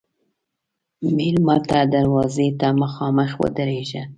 مېلمه ته دروازې ته مخامخ ودریږه.